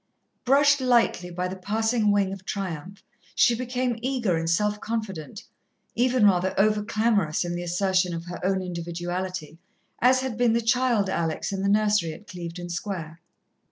Brushed lightly by the passing wing of triumph, she became eager and self confident, even rather over clamorous in the assertion of her own individuality, as had been the child Alex in the nursery at Clevedon Square.